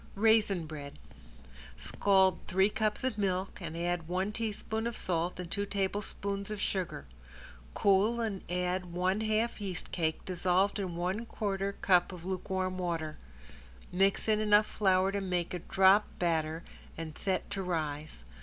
~RAISIN BREAD~ Scald three cups of milk and add one teaspoon of salt and two tablespoons of sugar. Cool and add one half yeast cake, dissolved in one quarter cup of lukewarm water. Mix in enough flour to make a drop batter and set to rise.